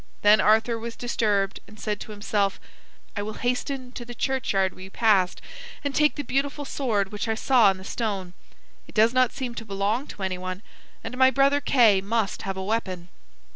Then Arthur was disturbed and said to himself: "I will hasten to the churchyard we passed, and take the beautiful sword which I saw in the stone. It does not seem to belong to anyone, and my brother Kay must have a weapon."